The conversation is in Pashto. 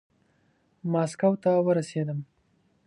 ماسکو ته ورسېدم.